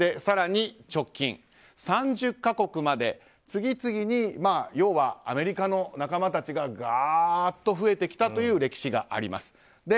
更に直近、３０か国まで次々に、要はアメリカの仲間たちが増えてきたという歴史があります。